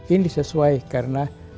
ini sesuai karena